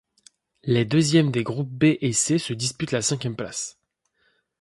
Les deuxième des groupes B et C se disputent la cinquième place.